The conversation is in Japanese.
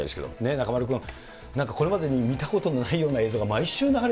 中丸君、なんかこれまでに見たことのないような映像が、毎週流れ